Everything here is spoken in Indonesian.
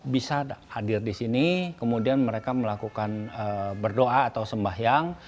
bisa hadir di sini kemudian mereka melakukan berdoa atau sembahyang